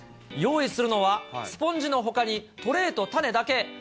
用意するのは、スポンジのほかに、トレーと種だけ。